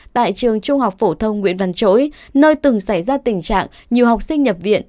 tại trường trung học phổ thông nguyễn văn chỗi nơi từng xảy ra tình trạng nhiều học sinh nhập viện